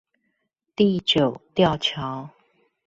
地久吊橋